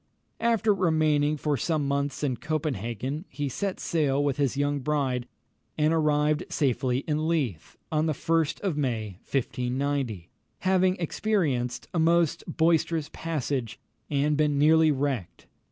After remaining for some months in Copenhagen, he set sail with his young bride, and arrived safely in Leith, on the 1st of May 1590, having experienced a most boisterous passage, and been nearly wrecked.